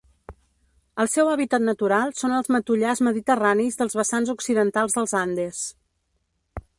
El seu hàbitat natural són els matollars mediterranis dels vessants occidentals dels Andes.